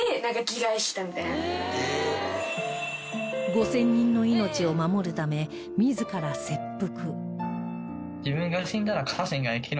５０００人の命を守るため自ら切腹